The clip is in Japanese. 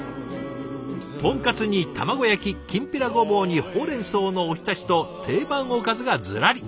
豚カツに卵焼ききんぴらごぼうにほうれんそうのお浸しと定番おかずがずらり。